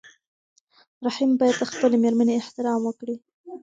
رحیم باید د خپلې مېرمنې احترام وکړي.